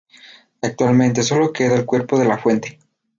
Actualmente solo queda el cuerpo de la fuente.